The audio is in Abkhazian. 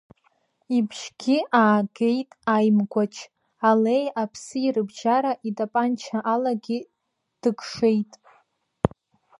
Ибжьгьы аагеит аимгәач, алеи-аԥси рыбжьара итапанча алагьы дықшеит.